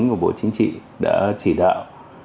thật sự đổi bộ chính trị đã chỉ đạo